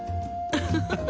ウフフフ。